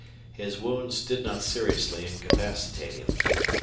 His wounds did not seriously incapacitate him.